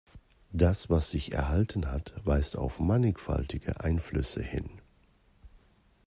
Das was sich erhalten hat, weist auf mannigfaltige Einflüsse hin.